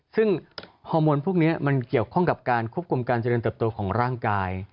ซึ่งฮอร์โมนพวกนี้มันเกี่ยวข้องกับการควบคุมการเจริญเติบโตของร่างกาย